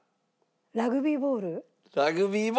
ラグビーボール。